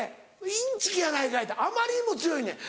「インチキやないかい」ってあまりにも強いねん。